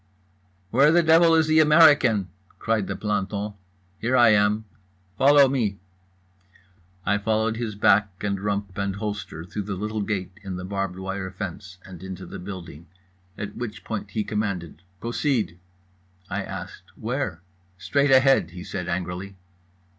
"Where the devil is the American?" cried the planton. "Here I am." "Follow me." I followed his back and rump and holster through the little gate in the barbed wire fence and into the building, at which point he commanded "Proceed." I asked "Where?" "Straight ahead" he said angrily.